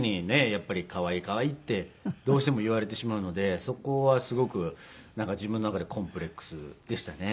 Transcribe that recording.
やっぱり「可愛い可愛い」ってどうしても言われてしまうのでそこはすごく自分の中でコンプレックスでしたね。